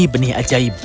ini benih ajaib